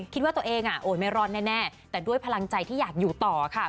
คิดว่าตัวเองโอ๊ยไม่รอดแน่แต่ด้วยพลังใจที่อยากอยู่ต่อค่ะ